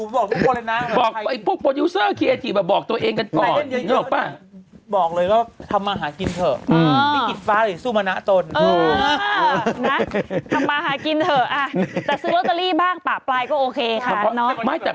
หนูบอกทุกคนเลยนะ